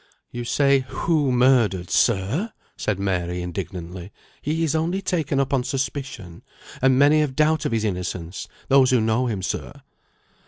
"You say 'who murdered,' sir!" said Mary, indignantly. "He is only taken up on suspicion, and many have no doubt of his innocence those who know him, sir."